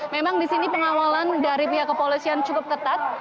memang di sini pengawalan dari pihak kepolisian cukup ketat